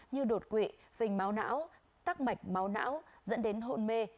như đột quỵ phình máu não tắc mạch máu não dẫn đến hôn mê